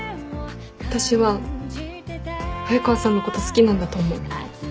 私は早川さんのこと好きなんだと思う。